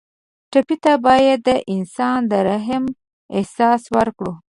ټپي ته باید د انسان د رحم احساس ورکړو.